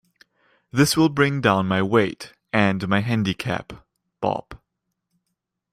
This will bring down my weight and my handicap, Bob.